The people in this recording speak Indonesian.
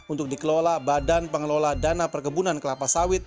untuk dikelola badan pengelola dana perkebunan kelapa sawit